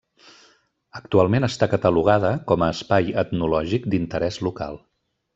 Actualment està catalogada com a Espai Etnològic d'Interès Local.